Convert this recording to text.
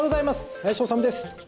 林修です。